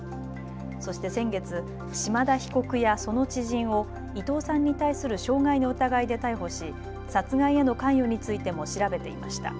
そして先月、島田被告やその知人を伊藤さんに対する傷害の疑いで逮捕し殺害への関与についても調べていました。